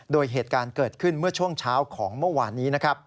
โดยเหตุการณ์เกิดขึ้นเมื่อช่วงเช้าของเมื่อวานนี้